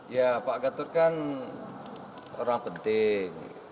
ya pak gatot kan orang penting